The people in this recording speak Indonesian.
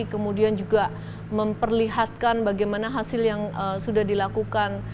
kemudian juga memperlihatkan bagaimana hasil yang sudah dilakukan